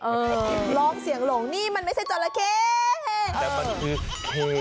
เออร้องเสียงหลงนี่มันไม่ใช่จาระเข้เออแต่มันคือเข้น้อย